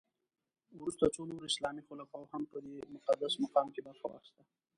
وروسته څو نورو اسلامي خلفاوو هم په دې مقدس مقام کې برخه واخیسته.